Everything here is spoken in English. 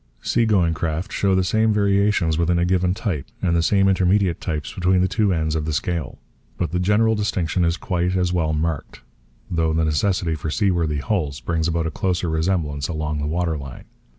Sea going craft show the same variations within a given type and the same intermediate types between the two ends of the scale. But the general distinction is quite as well marked, though the necessity for seaworthy hulls brings about a closer resemblance along the water line.